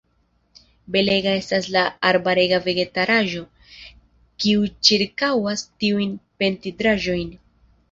Belega estas la arbarega vegetaĵaro, kiu ĉirkaŭas tiujn pentrindaĵojn.